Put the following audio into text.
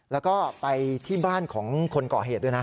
แล้วก็ไปที่บ้านของคนก่อเหตุด้วยนะ